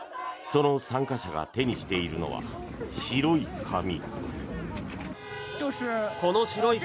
その参加者が手にしているのは白い紙。